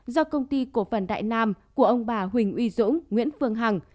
do công ty cổ phần đại nam của ông bà huỳnh uy dũng nguyễn phương hằng